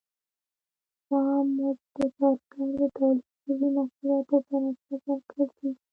دا مزد د کارګر د تولید شویو محصولاتو پر اساس ورکول کېږي